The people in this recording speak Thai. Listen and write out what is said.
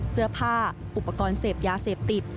เสื้อผ้าอุปกรณ์เสพยาเสพติด